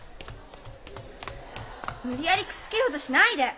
無理やりくっつけようとしないで！